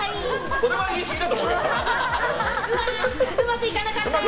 それは言い過ぎだと思うよ。